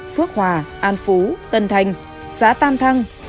phước hòa an phú tân thành xã tam thăng